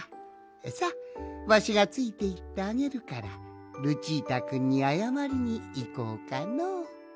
さわしがついていってあげるからルチータくんにあやまりにいこうかのう。